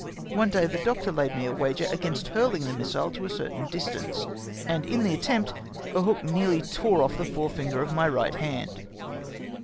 One clay the doctor laid me a wager against hurlhig the missile to a certain distance, and in the attempt a hook nearly tore off the fore finger of my right hand.